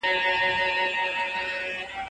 ایا انارګل به کله هم له دښتې څخه ښار ته کډه وکړي؟